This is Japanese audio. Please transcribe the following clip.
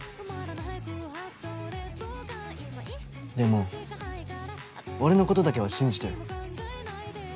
でも俺のことだけは信じてよ。